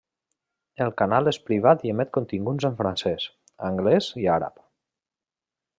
El canal és privat i emet continguts en francès, anglès i àrab.